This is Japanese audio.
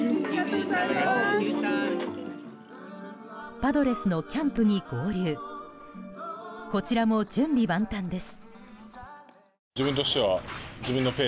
パドレスのキャンプに合流こちらも準備万端です。